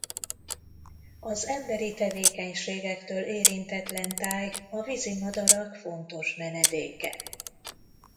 Az emberi tevékenységtől érintetlen táj a vízimadarak fontos menedéke.